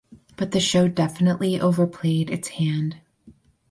But the show definitely overplayed its hand.